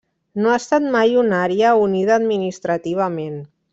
No ha estat mai una àrea unida administrativament.